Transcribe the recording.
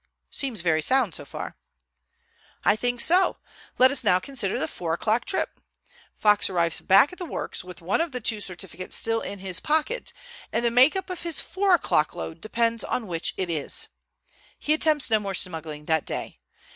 "Seems very sound so far." "I think so. Let us now consider the four o'clock trip. Fox arrives back at the works with one of the two certificates still in his pocket, and the make up of his four o'clock load depends on which it is. He attempts no more smuggling that day.